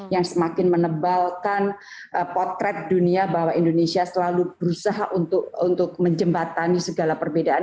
yang semakin menebalkan potret dunia bahwa indonesia selalu berusaha untuk menjembatani segala perbedaan